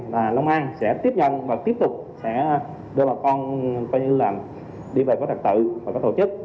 là lông an sẽ tiếp nhận và tiếp tục sẽ đưa bà con coi như là đi về có thật tự và có tổ chức